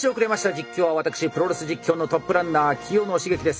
実況は私プロレス実況のトップランナー清野茂樹です。